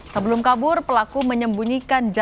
sebelum kabur pelaku menyembunyikan jalan